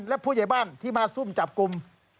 และผู้ใหญ่บ้านที่มาซุ่มจับกลุ่ม